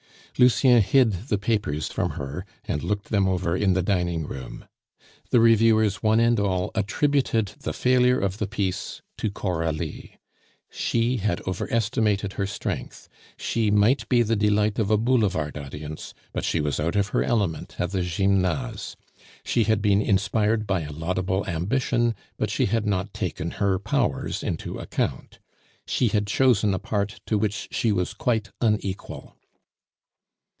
Lucien hid the papers from her, and looked them over in the dining room. The reviewers one and all attributed the failure of the piece to Coralie; she had overestimated her strength; she might be the delight of a boulevard audience, but she was out of her element at the Gymnase; she had been inspired by a laudable ambition, but she had not taken her powers into account; she had chosen a part to which she was quite unequal.